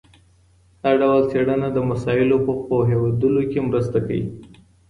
دا ډول څېړنه د مسایلو په پوهېدلو کي مرسته کوي.